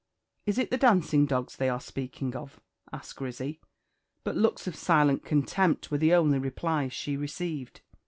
"Is it the dancing dogs they are speaking about?" asked Grizzy. But looks of silent contempt were the only replies she received.